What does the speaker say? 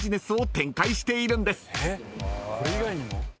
これ以外にも？